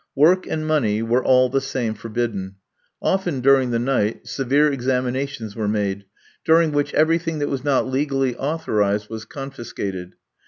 Work and money were all the same forbidden. Often during the night severe examinations were made, during which everything that was not legally authorised was confiscated.